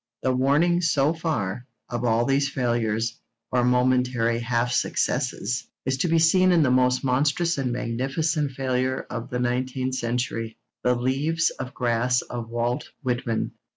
The warning, so far, of all these failures, or momentary half successes, is to be seen in the most monstrous and magnificent failure of the nineteenth century, the Leaves of Grass of Walt Whitman.